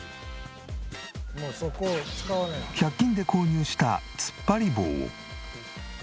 １００均で購入した突っ張り棒を。